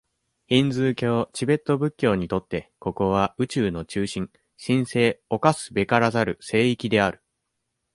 ヒンズー教、チベット仏教にとって、ここは、宇宙の中心、神聖侵すべからざる聖域である。